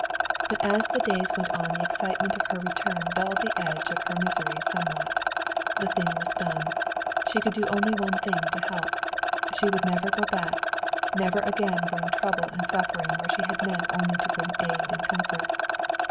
But as the days went on the excitement of her return dulled the edge of her misery somewhat. The thing was done. She could do only one thing to help. She would never go back, never again bring trouble and suffering where she had meant only to bring aid and comfort.